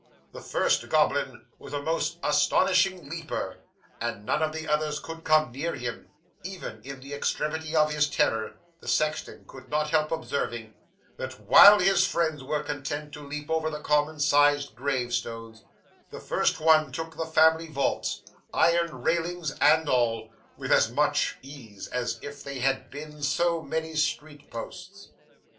The first goblin was a most astonishing leaper, and none of the others could come near him; even in the extremity of his terror the sexton could not help observing, that while his friends were content to leap over the common sized gravestones, the first one took the family vaults, iron railings and all, with as much ease as if they had been so many street posts.